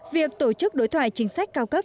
việc tổ chức đối thoại chính sách cao cấp